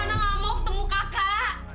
pergi udah anak aku mau ketemu kakak